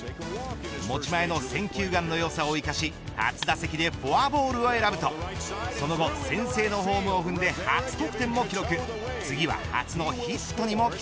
持ち前の選球眼のよさを生かし初打席でフォアボールを選ぶとその後先制のホームを踏んで初得点も記録。